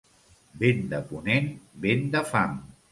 Vent de ponent, vent de fam.